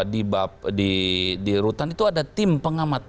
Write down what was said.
di rutan itu ada tim pengamat